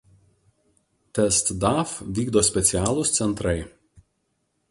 TestDaF vykdo specialūs centrai.